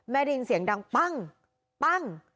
ได้ยินเสียงดังปั้งปั้ง